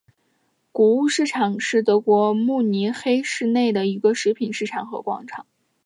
谷物市场是德国慕尼黑市内一个食品市场和广场。